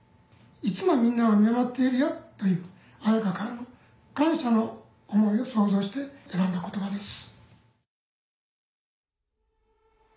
「いつもみんなを見守っているよ」という彩花からの感謝の思いを想像して選んだ言葉です。